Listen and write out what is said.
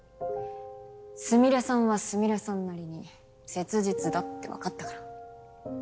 スミレさんはスミレさんなりに切実だって分かったから。